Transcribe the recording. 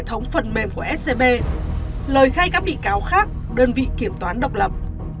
hệ thống phần mềm của scb lời khai các bị cáo khác đơn vị kiểm toán độc lập